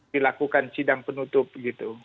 dilakukan sidang penutup gitu